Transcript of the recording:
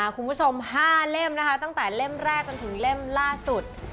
คุณผู้ชม๕เล่มนะคะตั้งแต่เล่มแรกจนถึงเล่มล่าสุด